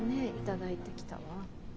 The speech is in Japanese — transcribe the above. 頂いてきたわ。